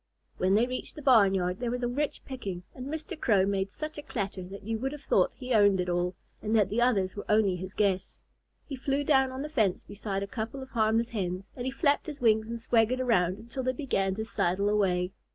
When they reached the barn yard, there was rich picking, and Mr. Crow made such a clatter that you would have thought he owned it all and that the others were only his guests. He flew down on the fence beside a couple of harmless Hens, and he flapped his wings and swaggered around until they began to sidle away.